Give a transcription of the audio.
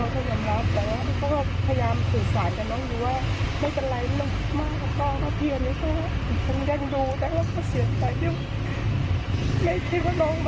ไม่คิดว่าน้องมันจะมาทำแบบนี้